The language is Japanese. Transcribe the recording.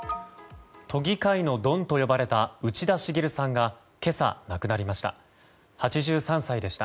都議会のドンと呼ばれた内田茂さんが今朝、亡くなりました。